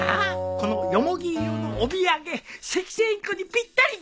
このヨモギ色の帯揚げセキセイインコにぴったりじゃろ？